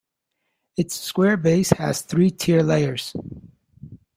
Its square base has three tier layers.